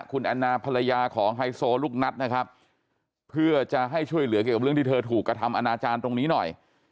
คุณแอนนาภรรยาของไฮโซลูกนัดนะครับเพื่อจะให้ช่วยเหลือเกี่ยวกับเรื่องที่เธอถูกกระทำอนาจารย์ตรงนี้หน่อย